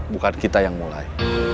bukan kita yang mulai